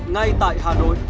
ngay tại hà nội